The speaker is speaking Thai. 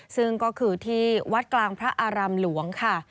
ซึ่งก็คือที่วัดกลางพระอารามหลวงค่ะ